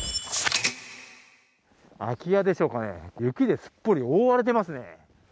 空き家でしょうかね、雪で、すっぽり覆われていますね。